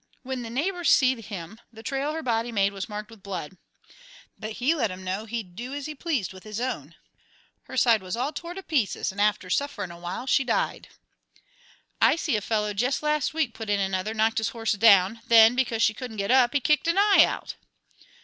When the neighbors see him, the trail her body made was marked with blood. There was a fuss, but he let 'em know he'd do as he pleased with his own. Her side was all tore to pieces, 'nd, after sufferin' a while, she died." "I see a fellow jest last week," put in another, "knock his horse down; then, because she couldn't get up, he kicked an eye out."